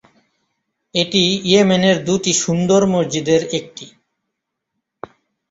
এটি ইয়েমেনের দুটি সুন্দর মসজিদের একটি।